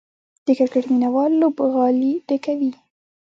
د کرکټ مینه وال لوبغالي ډکوي.